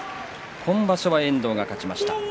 今場所は遠藤が勝ちました。